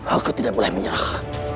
aku tidak boleh menyerah